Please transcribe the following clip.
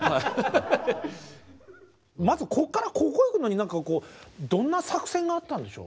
まずここからここ行くのにどんな作戦があったんでしょう？